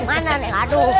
mana nek aduh